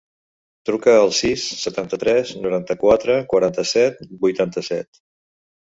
Truca al sis, setanta-tres, noranta-quatre, quaranta-set, vuitanta-set.